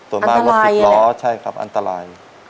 อันตรายเนี่ยใช่ครับอันตราย